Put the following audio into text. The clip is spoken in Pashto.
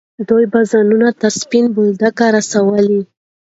دوی به ځانونه تر سپین بولدکه رسولي.